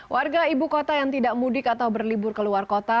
warga ibu kota yang tidak mudik atau berlibur ke luar kota